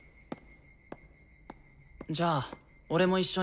じゃあ俺も一緒に。